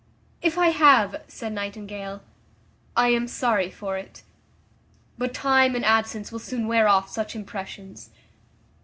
"If I have," said Nightingale, "I am sorry for it; but time and absence will soon wear off such impressions.